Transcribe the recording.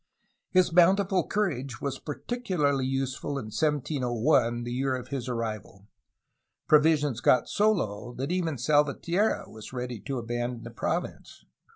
His bountiful courage was particularly useful in 1701, the year of his arrival. Provisions got so low that even Salva tierra was ready to abandon the province.